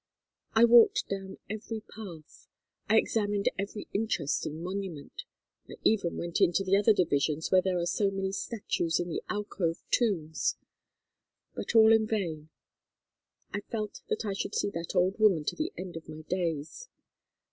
I walked down every path, I examined every interesting monument, I even went into the other divisions where there are so many statues in the alcove tombs; but all in vain. I felt that I should see that old woman to the end of my days.